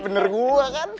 bener gua kan